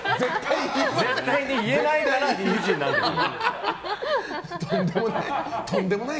絶対に言えないから理不尽なんですよ。